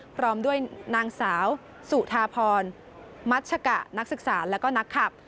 พร้อมด้วยนางสาวสุธาพรมัชกะนักศึกษาแล้วก็นักขับ